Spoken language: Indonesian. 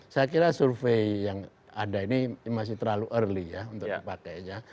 saya kira survei yang ada ini masih terlalu early ya untuk dipakainya